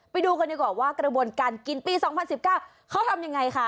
ไปดูกันดีกว่าว่ากระบวนการกินปี๒๐๑๙เขาทำยังไงคะ